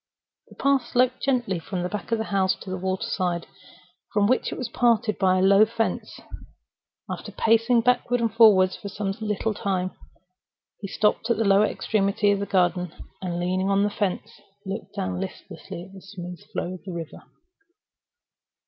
The path sloped gently from the back of the house to the water side, from which it was parted by a low wooden fence. After pacing backward and forward slowly for some little time, he stopped at the lower extremity of the garden, and, leaning on the fence, looked down listlessly at the smooth flow of the river.